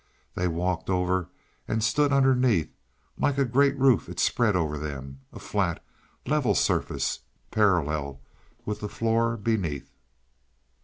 They walked over and stood underneath; like a great roof it spread over them a flat, level surface parallel with the floor beneath.